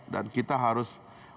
dan kita harus